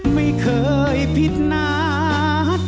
ไม่เคยผิดนัด